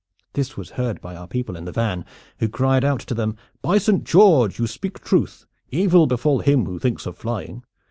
This was heard by our people in the van, who cried out to them: 'By Saint George! you speak truth. Evil befall him who thinks of flying!'